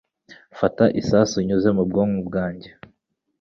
Fata isasu unyuze mu bwonko bwanjye